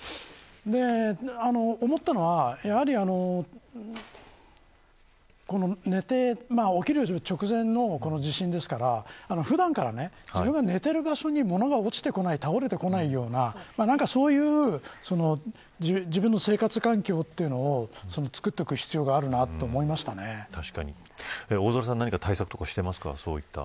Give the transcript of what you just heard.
思ったのは、やはり寝て起きる直前の地震ですから普段から自分が寝ている場所に物が落ちてこない倒れてこないようなそういう自分の生活環境というのをつくっておく必要が大空さん何か対策はしていますか。